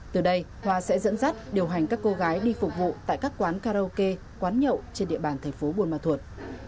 từ đây khoa sẽ dẫn dắt điều hành các cô gái đi phục vụ tại các quán karaoke quán nhậu trên địa bàn thành phố buôn ma thuột